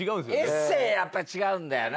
エッセーやっぱ違うんだよな。